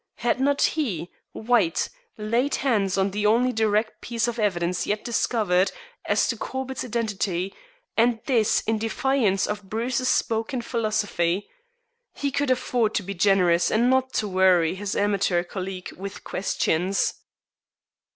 Had not he, White, laid hands on the only direct piece of evidence yet discovered as to Corbett's identity, and this in defiance of Bruce's spoken philosophy? He could afford to be generous and not to worry his amateur colleague with questions.